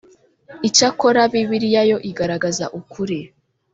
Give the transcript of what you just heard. icyakora bibiliya yo igaragaza ukuri